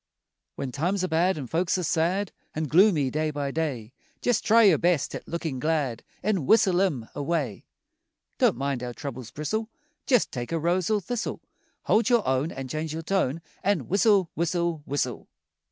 When times are bad an' folks are sad An' gloomy day by day, Jest try your best at lookin' glad An' whistle 'em away. Don't mind how troubles bristle, Jest take a rose or thistle. Hold your own An' change your tone An' whistle, whistle, whistle!